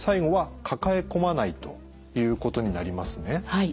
はい。